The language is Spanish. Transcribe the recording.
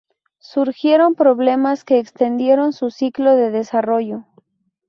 Surgieron problemas que extendieron su ciclo de desarrollo.